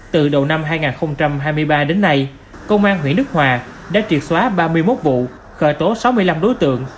từ đầu năm hai nghìn hai mươi ba đến nay công an huyện đức hòa đã triệt xóa ba mươi một vụ khởi tố sáu mươi năm đối tượng